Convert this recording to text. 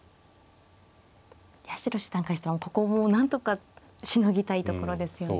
八代七段からしたらここもうなんとかしのぎたいところですよね。